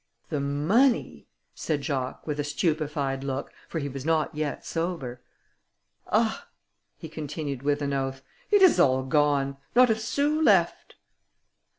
"The money!" said Jacques, with a stupified look, for he was not yet sober; "Ah!" he continued with an oath, "it is all gone: not a sous left!"